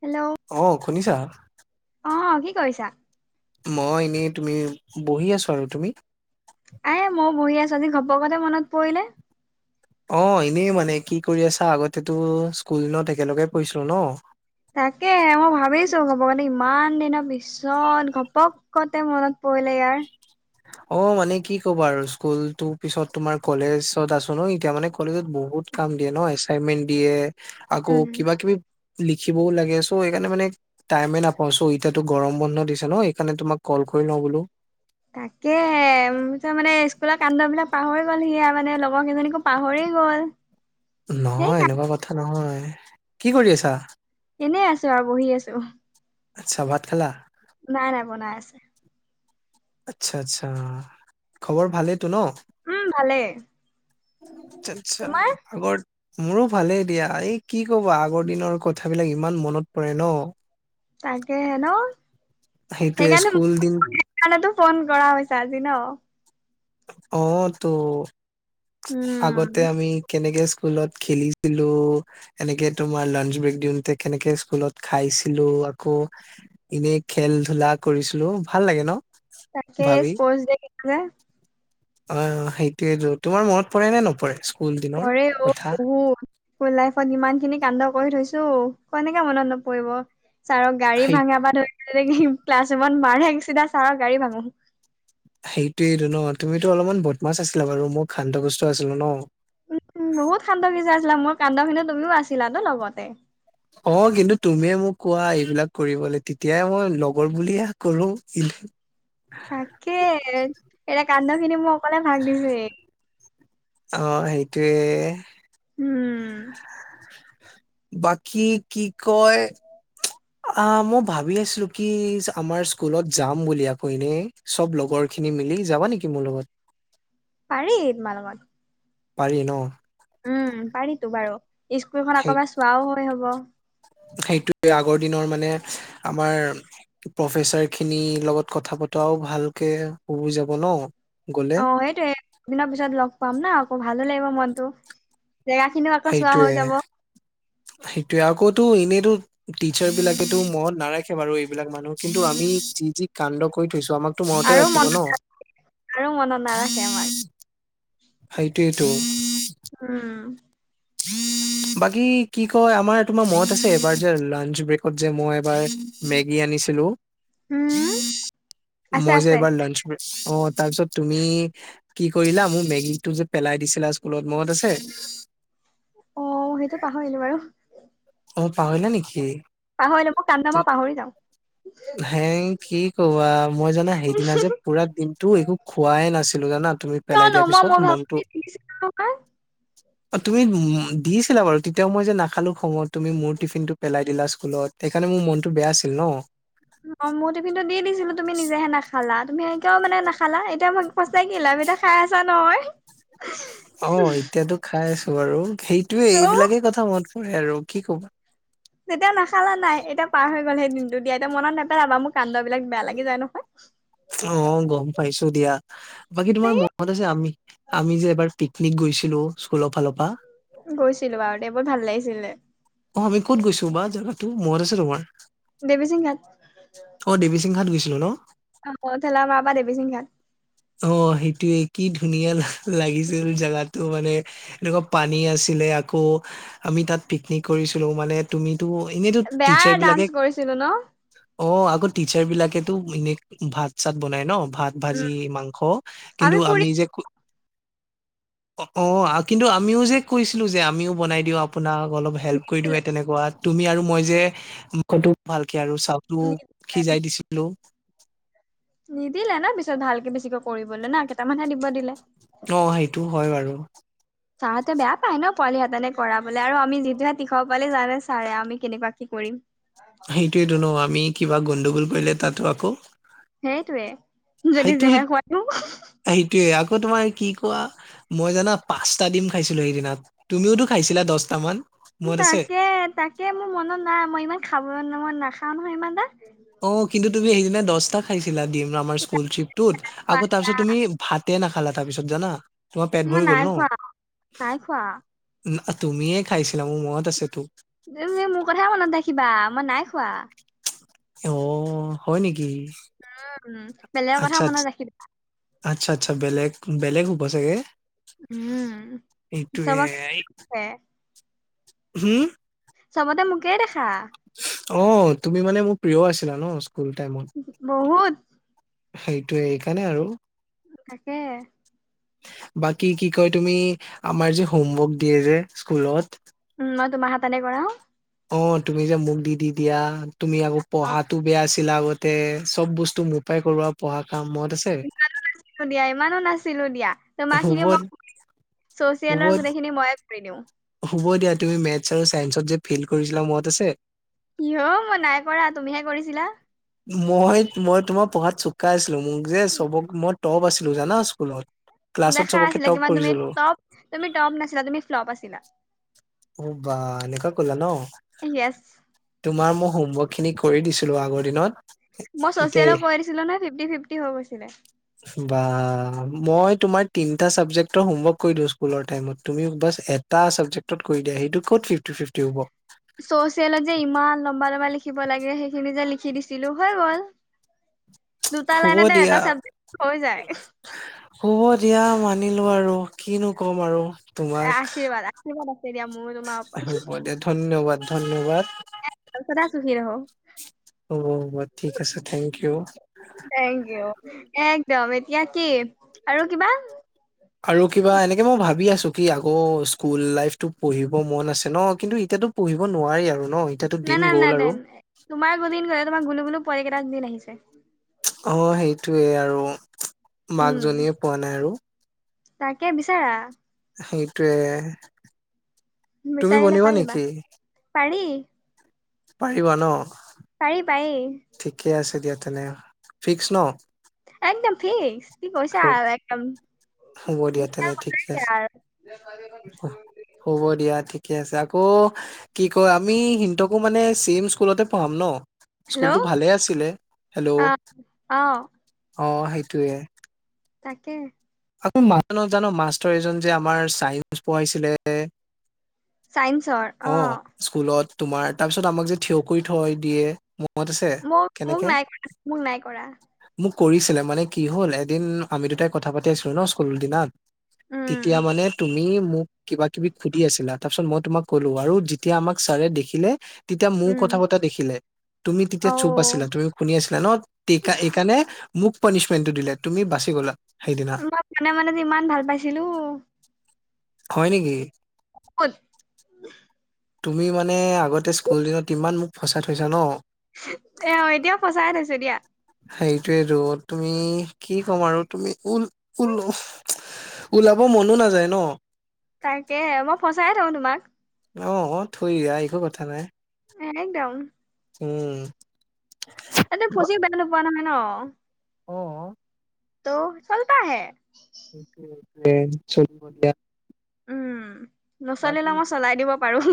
Hello অ শুনিছা অ কি কৰিছা মই এনেই তুমি বহি আছো আৰু তুমি এ মই বহি আছো আজি ঘপকতে মনত পৰিলে অ এনেই মানে কি কৰি আছা আগতেতো স্কুল নত একেলগে পঢ়ছিলো ন তাকে মই ভাবিছো ঘপকতে ইমান দিনৰ পিছত ঘপকতে মনত কৰিলে ইয়াৰ অ মানে কি ক'ব আৰু স্কুল তো পিছত তোমাৰ কলেজত আছো ন এতিয়া মানে কলেজত বহুত বহত কাম দিয়ে ন এচাইনমেন্ট দিয়ে আকৌ উম কিবা কিবি লিখিবও লাগে চ' সেইকাৰণে মানে টাইমে নাপাও চ ইতিাতো গৰম বন্ধ দিছে ন সকাৰণে তোমাক ক লওঁ বোলো তাকেে মানে স্কুলৰ কানণ্ডবলাক পাহৰি গ'ল সিয় মানে এজনীকো পাহৰি গল নহয় এনেকুৱা সেইকাৰণ কথা নহয় কি কৰি আছা এনেই আছো আৰু বহি আছো আচ্ছা ভাত খেলা নাই নাই বনাই আছে আচ্ছা আচ্ছা খবৰ ভালেইেতো ন উম ভালে আচ্া আচ্ছা আগৰ মোৰো ভালেই এ দিয়া এই কি কবা আগৰ দিনৰ কথাবিলাক ইমান মনত পৰে ন তাকে হে ন। সেইটোয়ে সেইকাৰণে স্কুল দিন সেই কাৰণেতো ফোন কৰা হৈছে আজি ন। অ', তো আগতে উম আমি কেনেকে স্কুলত খেলিছিলো এনেকে তোমাৰ লাঞ্চ ব্ৰেক দিওঁতে কেনেকে স্কুলত খাইছিলো। আকৌ এনেই খেল ধূলা কৰিছিলো ভাল লাগে ন। তাকে ভাবি স্পৰ্ট ডে অ', সেইটোয়েো তোমাৰ মনত পৰে নে নপৰে। স্কুল দিনৰ কৰেঢ অ কথা বহুত স্কুল লাইফত ইমান খিনি কান্ড কৰি থৈছো। ত কেনেকে মনত নপৰিব ছাৰক গাড়ী সেই ভাঙাব ধৰি তেনেকে ক্লাছ ৰুমত মাৰ আহ চিথা ছাৰৰ গাড়ী ভাঙো। সেইটোয়েইটো ন তুমিতো অলপমান বদমাছ আছিলা বাৰু মোৰ খান্তসস্ত আছিলো ন। উ বহুত [unintelligible] মোৰ কান্দখিনি তুমিও আছিলা ন লগতে। অ', কিন্তু তুমিয় মোক কোৱা এইবিলাক কৰিবলৈ তেতিয়াই মই লগৰ বুলে কৰো। তাকে এতিয়া কান্দ খিনি মোক অকলে ভাগ দিছে। অ সেইটোৱে। উম। বাকী কি কয় অ', মই ভাবি আছিলো কি আমাৰ স্কুলত যাম বুলি আকৌ এনে চব লগৰ খিনি মিলি যাবা নেকি মোৰ লগত। পাৰি তোমাৰ লগত। পাৰি ন। উম পাৰিতো বাৰু স্কুলখন আকবাৰ চোৱাও হয় হ'ব। সেইটোয়ে আগৰ দিনৰ মানে আমাৰ প্ৰফেচাৰ খিনিৰ লগত কথা পতৰাও ভালকে হুব যাব ন। গলে অ সেইটোয়েদিনৰ পিছত লগ পাম ন আকৌ ভালো লাগিব মনতটো জেগা খিনিও আকৌ চোৱা হৈ যাব। সেইটোয়ে আকৌতো এনেইতো টিচাৰ বিলাকেতো মনত নাৰাখে বাৰু এইবিলাক মানুহ কিন্তু আমি যি যি কাণ্ড কৰি থৈছো আমাক তটো মনতে আৰু ৰাখিব ন। মনত আৰু মনত নাৰাখে আমাক সেইটো এইটো। উম। [unintelligible] বাকী কি কয় আমাৰ তোমাৰ মত আছেবাৰ যে লাঞ্চ ব্ৰেকত যে মই এবাৰ মেগী আনি ছিলো। উম আছে মই যে আছে এইবাৰ লঞ্চ কৰি অ তাৰপিছত তুমি কি কৰিলা মোৰ মেগীটো যে পেলাই দিছিলা স্কুলত মনত আছে। অ', সেইটো পাহৰিলো বাৰু। অ', পাহৰিলো নেকি। পাহৰিলে মোক কাম নামই পাহৰি যাওঁ। হে কি কবা মই জানা সেইদিনা যে পুৰা দিনতটো একো খোৱাইে নাছিলো। না তুমি পেলাই কিয়নো দিয়া মই পিছত মোৰ মনতটো [unintelligible] [unintelligible] অ', তুমি দিছিলা বাৰু তেতিয়াও মই যে নাখালো খঙত তুমি মোৰ টিফিন টো পেলাই দিলা স্কুলত সেইকাৰণে মোৰ মনটো বেয়া আছিল ন। অ মোৰ টিফিন টো দি দিছিলো তুমি নিজেহে নাখালা তুমি সেওকে মানে নাখালা এতিয়া মই সঁচাকে লাভ এটা খাই আছা নহয়। অ', এতিয়াতো খাই আছো আৰু সেইটোয়ে ত এইবিলাকেই কথা মন কৰে আৰু কি কবা। তেতিয়া নাখালা নাই এতিয়া পাৰ হৈ গ'ল সেই দিনটো দিয়া এতিয়া মনত নেপেলাবা মোক কান্দাবিলাক বেয়া লাগি যায় নহয়। অ', গম পাইছোঁ দিয়া বাকী তোমাৰ এই মনত আছে আমি আমি যে এবাৰ পি নিক গৈছিলোঁ স্কুলৰ ফালৰ পৰা। গৈছিলোঁ বাৰু দে বৰ ভাল লাগিছিলে। অ', আমি ক'ত গৈছো বা জেগাতো মনত আছে তোমাৰ? দেৱীচিং ঘাট অ', দেৱী সিংহাত গৈছিলো ন'। [unintelligible] বা দেৱী সিংঘাত। অ', সেইটোৱে কি ধুনীয়া লাগিছিল জাগাতো মানে। এনেকুৱা পানী আছিলে আকৌ আমি তাত পিকনিক কৰিছিলোঁ মানে তুমি তো এনেইটো বেয়া ডান্স টিচাৰবিলাকে কৰিছিলো ন অ', আগৰ টিচাৰবিলাকেতো এনে ভাত চাত বনাই ন' ভাত উম ভাজি মাং স কিন্তু আমি যে ক অ কিন্তু আমিও যে কৈছিলো যে আমিও বনাই দিওঁ আপোনাক অলপ হেল্প কৰি দিওঁ ফুৰি তেনেকুৱা তুমি আৰু মই যে [unintelligible] ভাল কে আৰু চাউলতো সিজাই দিছিলো। নিদিলে ন পিছত ভালকে বেছিকৈ কৰিবলৈ না কেইটামানহে দিব দিলে। অ সেইটো হয় বাৰু। ছাৰহঁতে বেয়া পায় ন পোৱালিহঁতেনে কৰাবোলে আৰু আমি যিটোহে তীখৰ পোৱালি জানে ছাৰে আমি কেনেকুৱা কি কৰিম। সেইটোয়েতো নো আমি কিবা গণ্ডগোল কৰিলে তাতো আক। সেইটোৱে যদি জেহেৰ খুৱাই নু। অ তোমাৰ কি কোৱা মই জানা পাঁচটা দিম খাইছিলো সেইদিনাত। মনত আছে তাকে তাকে মোৰ মনত নাই মই ইমান খাব ন মই নাখাওঁ নহয় ইমান দা। অ কিন্তু তুমি সেইদিনা দছটা খাইছিলা দিম। আমাৰ এটা স্কুলট্ৰিপটোত খোৱা আকৌ তাৰ দিয়া পিছত তুমি ভাতে নাখালা তাৰ পিছত জানা। তোমাৰ পেট মই ভৰি গ'ল নাই ন খোৱা নাই খোৱা তুমিয়ে খাইছিলা মোৰ মনত আছে তো। তুমি মোৰ কথাই মনত ৰাখিবা মই নাই খোৱা। অ হয় নেকি? উম বেলেগৰ কথা আত্চ্ছা মনত আত্চ ৰাখিবা আত্চ্ছা আত্চ্ছা বেলেগ বেলেগ হ'ব চাগে। উম এইটোৱে চবকে এই হুম? চবতে মোকেই দেখা। অ তুমি মানে মোৰ প্ৰিয় আছিলা ন স্কুল টাইমত। বহুত সেইটোয়ে এইকাৰণে আৰু। তাকে। বাকী, কি কয় তুমি! আমাৰ যে, হোমৱৰ্ক দিয়ে যে স্কুলত। উম, মই তোমাৰ সেইপিনে গৈ আহোঁ। অ'! তুমি যে, মোক দি দি দিয়া, তুমি আকৌ, অ', পঢ়াতো বেয়া আছি ছিলা আগতে। চব বস্তু মোৰ পৰাই ক'ৰবা, পঢ়া কাম মনত আছে ইমানো নাছিলোঁ দিয়া, ইমানো নাছিলোঁ। তোমাৰ হ'ব খিনি মই, [inaudible] হ'ব ছ'চিয়েলৰ গোটেইখিনি মইয়ে কৰি দিওঁ। হ'ব দিয়া, তুমি মেথছ আৰু ছাইন্সত যে ফেইল কৰিছিলা, মনত আছে? [unintelligible] মই নাই কৰা, তুমিহে কৰিছিলা। মই মই তোমাৰ পঢ়াত চোকা আছিলোঁ। মোক যে উম, চবক, মই টপ আছিলোঁ, জানা স্কুলত! ক্লাছত দেখা চবকে আছিলে, টপ কিমান তুমি কৰিছিলো টপ। তুমি টপ নাছিলা, তুমি ফ্লপ আছিলা। অ'! বা এনেকুৱা ক'লা ন'! য়েছ তোমাৰ মো হোমৱৰ্ক খিনি কৰি দিছিলোঁ, আগৰ দিনত। মই এতিয়া ছ'চিয়েলত পঢ়ি দিছিলোঁ নহয়, ফিফটি- ফিফটি হৈ গৈছিলে। বা! মই তোমাৰ তিনিটা ছাবজেক্টৰ হোমৱৰ্ক কৰি দিওঁ, স্কুলৰ টাইমত। তুমি বা এটা ছাবজেক্ট কৰি দিয়ে সেইটো কত ফিফটি ফিফটি হ'ব চ'চিয়েলত যে ইমান লম্বা লম্বা লিখিব লাগে সেইখিনি যে লিখি দিছিলো হৈ গল [inaudible] দুটা শুব লাইনতে এটা দিয়া চাবজেক্ট হৈ যায় শুব দিয়া মানিলো আৰু কিনো কম আৰু তোমাক আশীৰ্বাদ আশীৰ্বাদ আছে দিয়া মোৰো তোমাৰ শুব দিয়া ধন্যবাদ ধন্যবাদ এয়া ওচতে আছোহি ৰ অ ঠিক আছে থেংক ইউ। দিম এতিয়া কি আৰু কিবা আৰু কিবা এনেকে মই ভাবি আছো। কি আকৌ স্কুল লাইফতো পঢ়িব মন আছে ন কিন্তু এতিয়াতো পঢ়িব নোৱাৰি আৰু। ন এতিয়াতো না দিন না না গ'ল দে আৰু তোমাৰ গোলিন গয় তোমাৰ গুলো গুলো পোৱালিকেইটাক দিন আহিছে। অ সেইটোৱে আৰু উম মাকজনীয়ে পোৱা নাই আৰু। তাকে বিচাৰা সেইটোয়ে তুমি বিচাৰিলে বনিবা পাই যাবা নেকি? পাৰি। পাৰিবা ন। পাৰি পাৰি ঠিকে আছে দিয়া তেনে ফিক্স ন? একদম ফিক্স কি কৈছা একদম। হ'ব দিয়া ধুনীয়া তেনে ঠিকে বনাইছে আছে আৰু হ'ব দিয়া। ঠিকে আছে আকৌ কি কয় আমি সিন্তকো মানে চিম স্কুলতে পঢ়াম ন? হেল্ল' স্কুলতটো ভালে আছিলে, হেল্ল' অ অ অ সেইটোৱে তাকে আকৌ মা ন জান মাষ্টৰ এজন যে আমাৰ চাইন্স পঢ়াইছিলে। অ স্কুলত তোমাৰ তাৰপিছত আমাক যে থিয় কৰি থয় দিয়ে। মত আছে মোক মোক কেনেকে নাই কৰা মোক নাই কৰা মোক কৰিছিলে মানে কি হ'ল এদিন আমি দুটাই কথা পাতি আছিলো ন স্কুল দিনাত উম তেতিয়া মানে তুম মি মোক কিবা কিবি সুধি আছিলা তাৰ পিছত মই তোমাক কলো আৰু যেতিয়া আমাক ছাৰে দেখিলে তেতিয়া মো উম কথা পতা দেখিলে। তুমি তেতিয়া অ চুপ আছিলা, তুমি শুনি আছিলা ন, তি এইকাণে। মোক পানিচমেণ্টটো দিলে, তুমি বাচি গ'লা। সেইদিনা মই মনে মনে যে ইমান ভাল পাইছিলোঁ। হয় নেকি? কুত তুমি মানে আগতে স্কুল দিনত ইমান মোক ফচাই থৈছা ন'। এ, এতিয়াও ফচাই থৈছো দিয়া। সেইটোয়েতো তুমি কি ক'ম আৰু। তুমি ওল ওল-ওলাব মনো নাযায় ন'। তাকেহে মই ফচাইয়ে থওঁ তোমাক। অ' অ' থৈ দিয়া একো কথা নাই। একদম। উম। তাতে ফচি বেয়া নোপোৱা নহয় ন? অ'। ত' চলটা হে। এ, চলিব দিয়া। উম, নচলিলে মই চলাই দিব পাৰোঁ।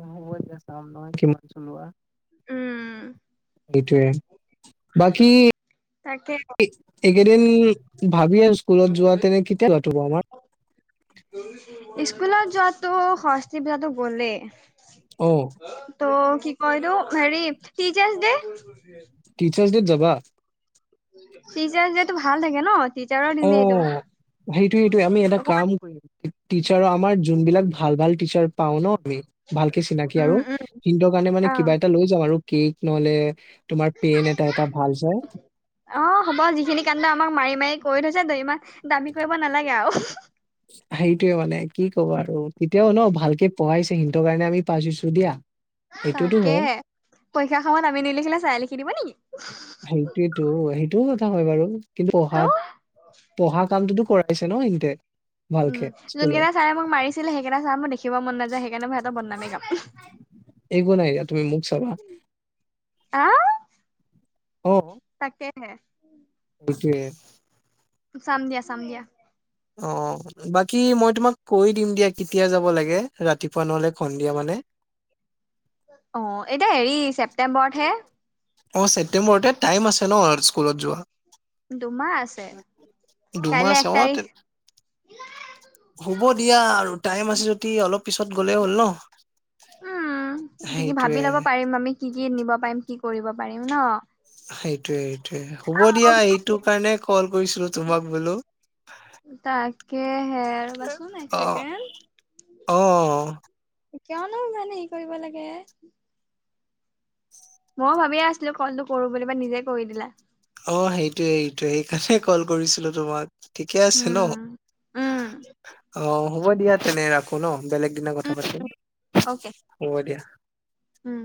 অ' হ'ব এতিয়া চাম ন কিমান চলোৱা। উম সেইটোৱে। তাকে এইদিন ভাবি আৰু স্কুলত যোৱা তেনে কেতিয়া লঠব আমাৰ স্কুলত যোৱাটো শচ্তি প যটো গলে অ ত কি কলো হেৰি টিচাৰ ডে টিচাৰ্ছ ডত যাবা টিচাৰটো ভাল থাকে ন টিচাৰৰ অ দিনেটো সেইটো সেইটোয়ে আমি এটা কাম কৰিম টিচাৰৰ আমাৰ যোনবিলাক ভাল ভাল টিচাৰ পাও ন আমি ভালকে চিনাকি আৰু উম উম সিনটোৰ কাৰণে মানে অ কিবা এটা লৈ যাম আৰু কি নহলে তোমাৰ পেন এটা এটা ভাল চাই অ হ'ব যিখিনি কাণ্ড আমাক মাৰি মাৰি কৰি থৈ জানো ইমান দামী কৰিব নালাগে আৰু সেইটোয়ে মানে কি ক'ব আৰু তেতিয়াও ন ভালকে পঢ়াইছো সেইন্তটোৰ কাৰণে আম পছিছো দিয়া সেইটোতো হয় তাকেহে পৰীক্ষা খামত আমি নিলিখিলে চাই লিখি দিব নেকি সেইটোয়েতো সেইটোও কথা হয় বাৰু কিন্তু পঢ়াত ত' পঢ়া কামটোতো কৰা পাইছে ন এতে উম যোনকেইটা ছাৰে মোক মাৰিছিলে সেইকেইটা ছাৰ মোৰ দেখিব মন নাযায় সেইকাৰণে মই সিহঁতৰ বনামেই গাপ এইগ নাই তুমি মুখ চাবা আহ উম হ টো চাম দিয়া চাম দিয়া অ বাকী মই তোমাক কৈ দিম দিয়া কেতিয়া যাব লাগে ৰাতিপুৱা নহলে সন্ধিয়া মানে অ এতিয়া হেৰি ছেপ্তেম্বৰতহে অ ছেপ্টেম্বৰতে টাইম আছে ন স্কুলত যোৱা দুমাহ আছে। কাইলে ধুমছে এক অ তাৰিখ তে হ'ব দিয়া আৰু টাইম আছে যদি অলপ পিছত গলে হ'ল ন সেইটোৱে গীত নিব পাৰিম কি কৰিব পাৰিম ন সেইটোৱে সেইটোয়ে হ'ব দিয়া এইটো কাৰণে কল কৰিছিলো তোমাক বোলো তাকেহে আৰু বাচোন এক অ চেকেণ্ড অ কিয়নো মানে হে কৰিব লাগে মইও ভাবিয়ে আছিলো কলটো কৰো বুলি বা নিজে কৰি দিলা অ সেইটোৱে সেইটোয়ে সেইকাৰণে কল কৰিছিলো তোমাক ঠিকে আছে ন উম, উম, অ হ'ব দিয়া তেনে ৰাখো ন বেলেগ দিনা উম, কথা পাতিম অকে হ'ব দিয়া উম